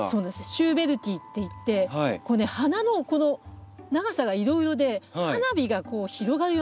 「シューベルティー」っていってこれね花のこの長さがいろいろで花火が広がるような感じに見えません？